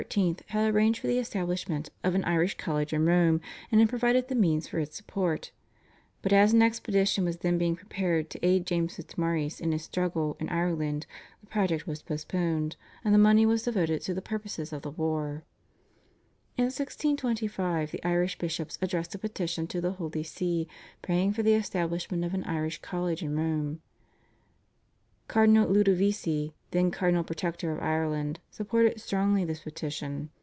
had arranged for the establishment of an Irish college in Rome, and had provided the means for its support, but as an expedition was then being prepared to aid James Fitzmaurice in his struggle in Ireland, the project was postponed, and the money was devoted to the purposes of the war. In 1625 the Irish bishops addressed a petition to the Holy See praying for the establishment of an Irish college in Rome. Cardinal Ludovisi, then Cardinal Protector of Ireland, supported strongly this petition.